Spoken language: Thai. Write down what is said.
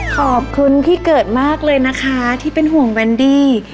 ขอบคุณพี่เกิดมากเลยนะคะที่เป็นห่วงแวนดี้